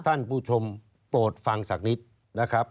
ท่านผู้ชมโปรดฟังสักนิดนะครับ